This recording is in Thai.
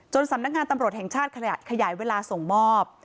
สำนักงานตำรวจแห่งชาติขยายเวลาส่งมอบ